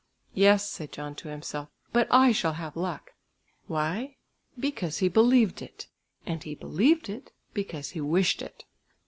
"Yes," said John to himself, "but I shall have luck." Why? Because he believed it; and he believed it because he wished it.